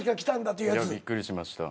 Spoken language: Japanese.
いやびっくりしました。